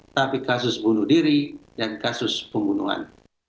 tapi kasus bunuh diri dan kasus pembunuhan